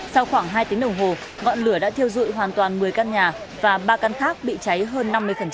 sau khoảng hai tiếng đồng hồ ngọn lửa đã thiêu dụi hoàn toàn một mươi căn nhà và ba căn khác bị cháy hơn năm mươi